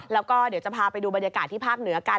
แล้วก็เดี๋ยวจะพาไปดูบรรยากาศที่ภาคเหนือกัน